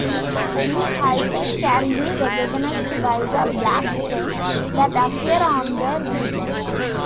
These Haibane can be recognized by the black stains that appear on their wings.